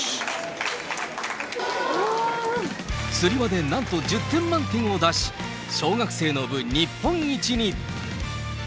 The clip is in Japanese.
つり輪でなんと１０点満点を出し、小学生の部日本一に。